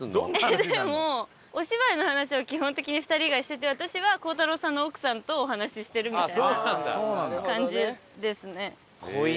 えっでもお芝居の話を基本的に２人がしてて私は鋼太郎さんの奥さんとお話ししてるみたいな感じですね。